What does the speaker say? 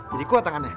jadi kuat tangannya